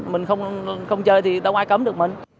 mình không chơi thì đâu ai cấm được mình